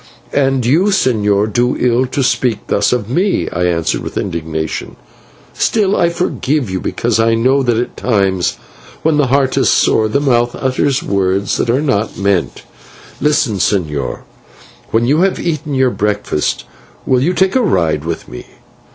"And you, señor, do ill to speak thus to me," I answered with indignation; "still, I forgive you because I know that at times, when the heart is sore, the mouth utters words that are not meant. Listen, señor, when you have eaten your breakfast, will you take a ride with me?"